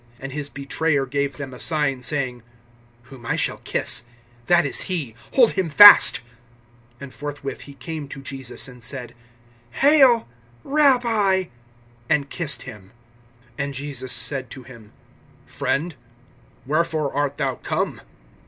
(48)And his betrayer gave them a sign, saying: Whom I shall kiss, that is he; hold him fast. (49)And forthwith he came to Jesus, and said: Hail, Rabbi; and kissed him. (50)And Jesus said to him: Friend, wherefore art thou come?